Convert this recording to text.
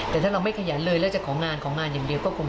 แต่ถ้าเราไม่ขยันเลยแล้วจะของานของานอย่างเดียวก็คง